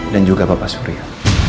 dan juga bapak surya